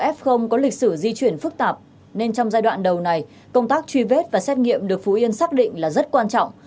trong giai đoạn đầu này công tác tri vết và xét nghiệm được phú yên xác định là rất quan trọng